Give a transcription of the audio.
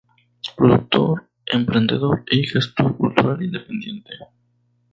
Productor, emprendedor y gestor cultural independiente.